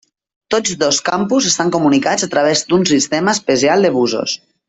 Tots dos campus estan comunicats a través d'un sistema especial de busos.